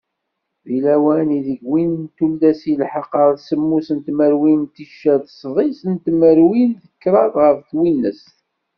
Di lawan ideg win n tullas yelḥeq ɣer semmus n tmerwin ticcert sḍis n tmerwin d kraḍ ɣef twinest.